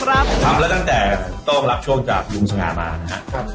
ทำแล้วตั้งแต่ต้องรับช่วงจากลุงสง่ามานะครับ